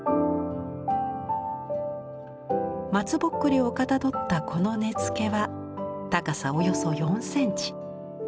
松毬をかたどったこの根付は高さおよそ４センチ。